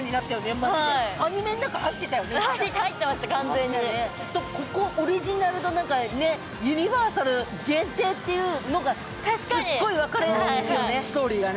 マジで入ってました完全にここオリジナルの何かねユニバーサル限定っていうのがすっごい分かりやすいよね